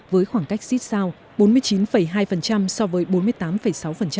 với khoảng cách xích sao bốn mươi chín hai so với bốn mươi tám sáu